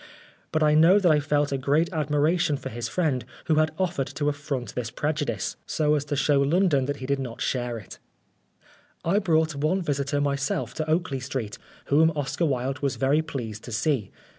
But I know that I felt a great admiration for his friend who had offered to affront this prejudice, so as to show London that he did not share it. 167 Oscar Wilde I brought one visitor myself to Oakley Street, whom Oscar Wilde was very pleased to see.